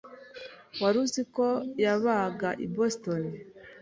Wari uziko yabaga i Boston?